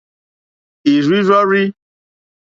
Ì rzí rzɔ́rzí.